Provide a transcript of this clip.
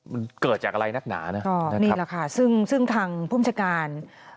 มันเกิดจากอะไรนักหนานะครับนะครับนี่แหละค่ะซึ่งทางภูมิศการ